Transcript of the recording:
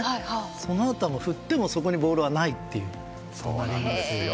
そのあとは振ってもそこにボールはないという。